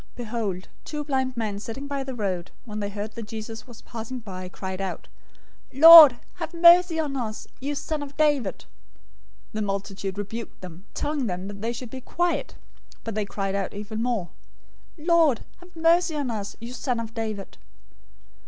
020:030 Behold, two blind men sitting by the road, when they heard that Jesus was passing by, cried out, "Lord, have mercy on us, you son of David!" 020:031 The multitude rebuked them, telling them that they should be quiet, but they cried out even more, "Lord, have mercy on us, you son of David!"